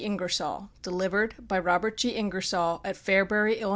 INGERSOLL Delivered By Robert G. Ingersoll, At Fairbury, Ill.